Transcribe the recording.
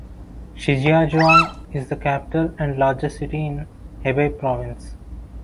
Shijiazhuang is the capital and the largest city in Hebei province.